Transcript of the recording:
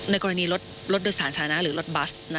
ในกรณีรถโดยสารธรรมนี้หรือรถบัส